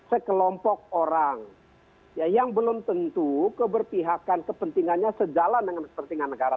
sekelompok orang yang belum tentu keberpihakan kepentingannya sejalan dengan kepentingan negara